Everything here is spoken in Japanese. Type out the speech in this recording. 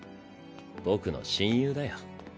僕の親友だよ。